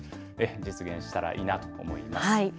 実現したらいいなと思います。